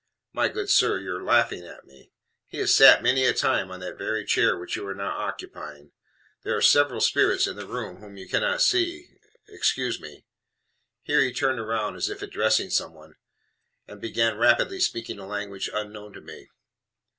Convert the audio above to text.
My good sir, you are laughing at me. He has sat many a time on that very chair which you are now occupying. There are several spirits in the room now, whom you cannot see. Excuse me." Here he turned round as if he was addressing somebody, and began rapidly speaking a language unknown to me.